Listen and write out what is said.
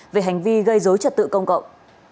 về hành vi gây dối trật tự công cộng